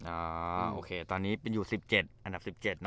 อ่าโอเคตอนนี้อยู่๑๗อันดับ๑๗นะ